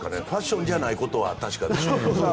ファッションじゃないことは確かですね。